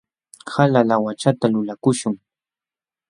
Hala laawachata lulakuśhun.